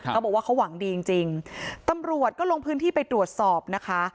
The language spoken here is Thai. เขาบอกว่าเขาหวังดีจริงจริงตำรวจก็ลงพื้นที่ไปตรวจสอบนะคะ